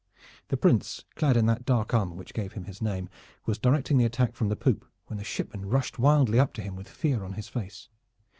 The Prince, clad in that dark armor which gave him his name, was directing the attack from the poop when the shipman rushed wildly up to him with fear on his face.